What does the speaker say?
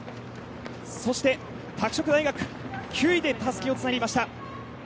そして拓殖大学９位でたすきをつなぎました。